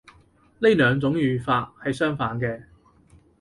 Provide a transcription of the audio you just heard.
呢兩種語法係相反嘅